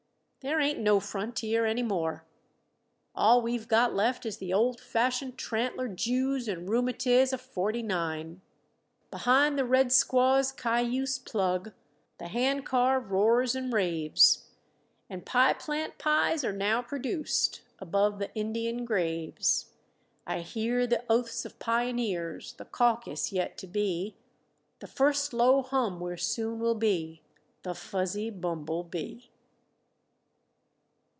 There ain't no frontier any more. All we've got left is the old fashioned trantler joos and rhumatiz of '49." Behind the red squaw's cayuse plug, The hand car roars and raves, And pie plant pies are now produced Above the Indian graves. I hear the oaths of pioneers, The caucus yet to be, The first low hum where soon will The fuzzy bumble bee.